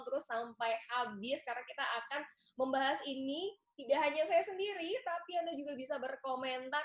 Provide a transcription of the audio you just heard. terus sampai habis karena kita akan membahas ini tidak hanya saya sendiri tapi anda juga bisa berkomentar